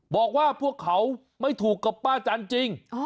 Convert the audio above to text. บอกว่าพวกเขาไม่ถูกกับป้าจันทร์จริง